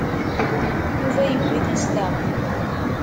Yuba yewwi tastaɣt.